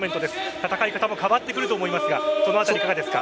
戦い方も変わってくると思いますがそのあたり、いかがですか？